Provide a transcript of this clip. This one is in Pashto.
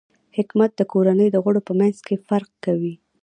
حکمت د کورنۍ د غړو په منځ کې فرق کوي.